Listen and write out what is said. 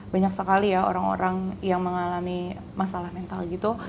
banyak sekali ya orang orang yang mengalami masalah mental gitu